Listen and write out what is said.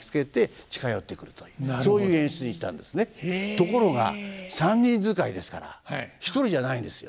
ところが三人遣いですから１人じゃないんですよ。